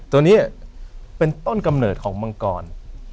ตัวนี้เป็นต้นกำเนิดของมังกร